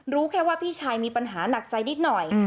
รู้แค่ว่าพี่ชายมีปัญหาหนักใจนิดหน่อย